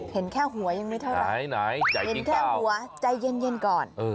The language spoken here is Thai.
เห็นแค่หัวยังไม่เท่าไหร่หัวใจเย็นเย็นก่อน